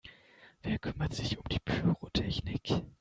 Wer kümmert sich um die Pyrotechnik?